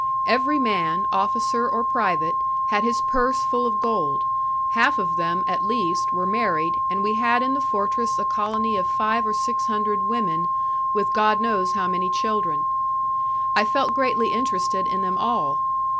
Every man, officer or private, had his purse full of gold; half of them, at least, were married, and we had in the fortress a colony of five or six hundred women, with God knows how many children! I felt greatly interested in them all.